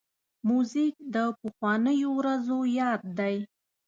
موزیک د پخوانیو ورځو یاد دی.